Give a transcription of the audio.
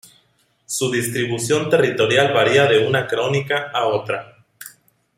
Su distribución territorial varía de una crónica a otra.